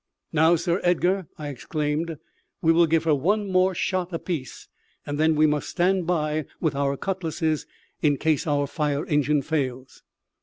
"Now, Sir Edgar," I exclaimed, "we will give her one more shot apiece; and then we must stand by with our cutlasses in case our fire engine fails."